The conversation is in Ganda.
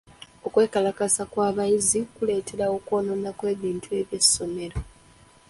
Okwekalakaasa kw'abayizi kuleetera okwenoona kw'ebintu by'essomero.